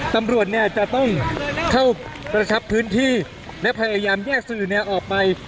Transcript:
ตำรวจเนี่ยจะต้องเข้ากระชับพื้นที่และพยายามแยกสื่อแนวออกไป